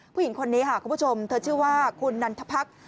ผู้หญิงคนนี้ค่ะคุณผู้ชมเธอชื่อว่าคุณนันทพรรค